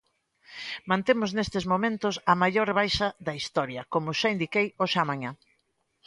Mantemos nestes momentos a maior rebaixa da historia, como xa indiquei hoxe á mañá.